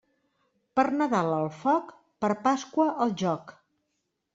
Per Nadal al foc, per Pasqua al jóc.